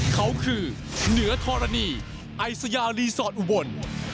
เขาคือเหนือธรณีไอสยารีสอร์ทอุบล